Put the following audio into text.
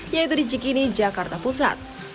yaitu di cikini jakarta pusat